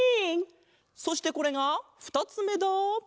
そしてこれがふたつめだ！